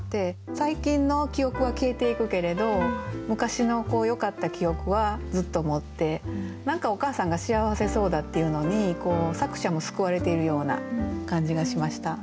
最近の記憶は消えていくけれど昔のよかった記憶はずっと持って何かお母さんが幸せそうだっていうのに作者も救われているような感じがしました。